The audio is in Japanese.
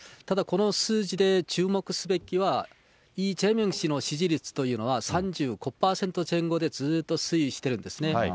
ただこの数字で注目すべきは、イ・ジェミョン氏の支持率というのは３５％前後でずっと推移しているんですね。